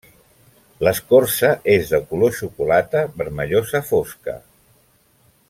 L'escorça és de color xocolata vermellosa fosca.